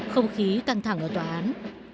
không khí căng thẳng ở tòa án